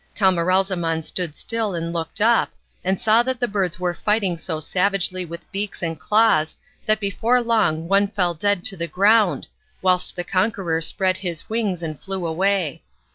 Camaralzaman stood still and looked up, and saw that the birds were fighting so savagely with beaks and claws that before long one fell dead to the ground, whilst the conqueror spread his wings and flew away.